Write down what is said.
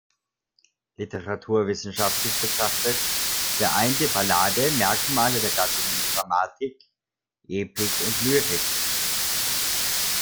Literaturwissenschaftlich betrachtet vereint die Ballade Merkmale der Gattungen Dramatik, Epik und Lyrik.